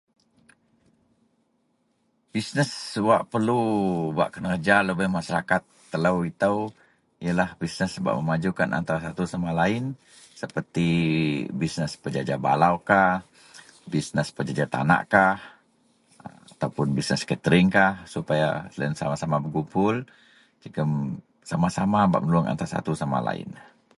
bisness wak perlu bak kenerja lubeang masyarakat telou itou ienlah bisness bak memajukan antara satu sama lain seperti bisness pejaja balaukah, bisness pejaja tanahkah ataupun bisness kateringkah supaya loyien sama-sama bekumpul jegum sama-sama bak menulung antara satu sama lain